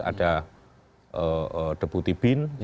ada deputi bin